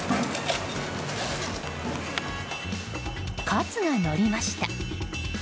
カツがのりました。